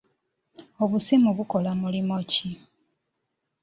Obusimu bukola mulimu ki?